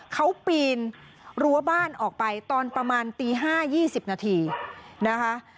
เขาปีนรั้วบ้านออกไปตอนประมาณตี๕๒๐นาทีนะคะ